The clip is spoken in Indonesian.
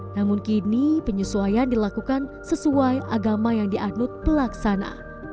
namun kini penyesuaian dilakukan sesuai agama yang dianut pelaksana